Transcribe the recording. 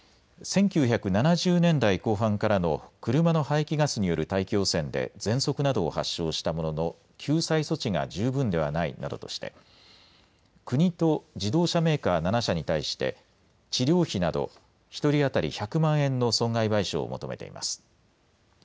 １９７０年代後半からの車の排気ガスによる大気汚染でぜんそくなどを発症したものの救済措置が十分ではないなどとして国と自動車メーカー７社に対して治療費など１人当たり１００万円の損害賠償を求めています。